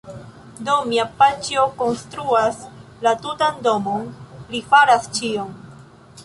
Do, mia paĉjo konstruas la tutan domon, li faras ĉion